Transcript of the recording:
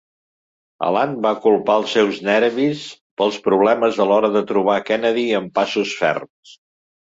Alan va culpar els seus nervis pels problemes a l'hora de trobar Kennedy amb passos ferms.